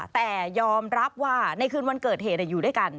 แต่ยอมรับว่าในคืนวันเกิดเหตุอยู่ด้วยกัน